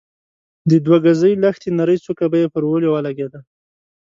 د دوه ګزۍ لښتې نرۍ څوکه به يې پر وليو ولګېده.